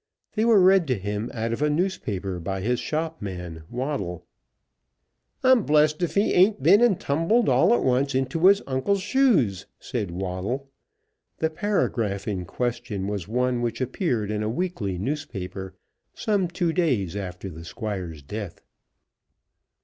They were read to him out of a newspaper by his shopman, Waddle. "I'm blessed if he ain't been and tumbled all at once into his uncle's shoes," said Waddle. The paragraph in question was one which appeared in a weekly newspaper some two days after the Squire's death.